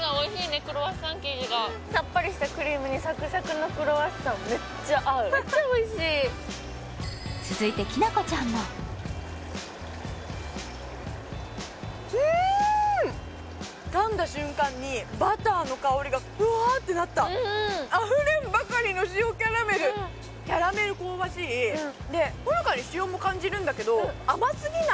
クロワッサン生地がさっぱりしたクリームにサクサクのクロワッサンめっちゃ合うめっちゃおいしい続いてきなこちゃんもうん噛んだ瞬間にバターの香りがフワッてなったあふれんばかりの塩キャラメルキャラメル香ばしいでほのかに塩も感じるんだけど甘すぎない